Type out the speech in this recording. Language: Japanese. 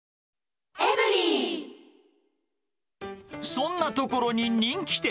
そんなトコロに人気店。